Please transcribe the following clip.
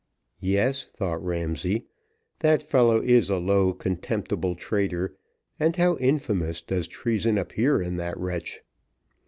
"Yes," thought Ramsay, "that fellow is a low, contemptible traitor, and how infamous does treason appear in that wretch!